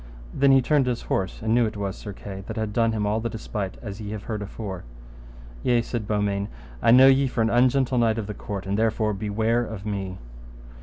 Then he turned his horse, and knew it was Sir Kay, that had done him all the despite as ye have heard afore. Yea, said Beaumains, I know you for an ungentle knight of the court, and therefore beware of me.